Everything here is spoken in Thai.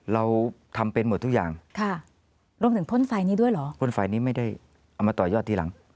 เราทำเป็นหมดทุกอย่างค่ะรวมถึงพ่นไฟนี้ด้วยเหรอพ่นไฟนี้ไม่ได้เอามาต่อยอดทีหลัง